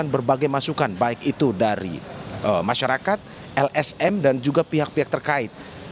berbagai masukan baik itu dari masyarakat lsm dan juga pihak pihak terkait